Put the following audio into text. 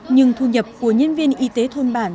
nhưng thu nhập của nhân viên y tế thôn bản